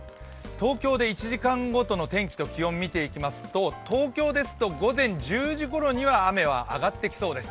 東京で１時間ごとの天気と気温を見ていきますと、東京ですと午前１０時ごろには雨は上がってきそうです。